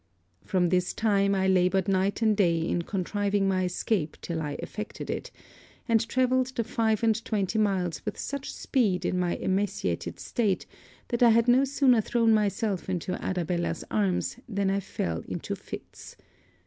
'From this time, I laboured night and day in contriving my escape till I effected it; and travelled the five and twenty miles with such speed in my emaciated state that I had no sooner thrown myself into Arabella's arms than I fell into fits.